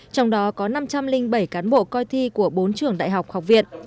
trong đó có năm trăm linh bảy cán bộ coi thi của bốn trường đại học học viện